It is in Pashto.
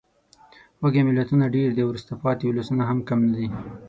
وږې ملتونه ډېر دي او وروسته پاتې ولسونه هم کم نه دي.